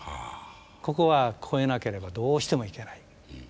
ここは越えなければどうしてもいけない。